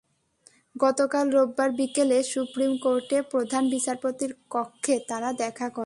গতকাল রোববার বিকেলে সুপ্রিম কোর্টে প্রধান বিচারপতির কক্ষে তাঁরা দেখা করেন।